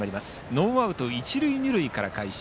ノーアウト、一塁二塁から開始。